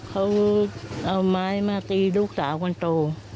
เขาเอาไม้มาตีลูกสาวคนโต